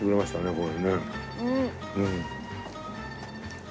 これね。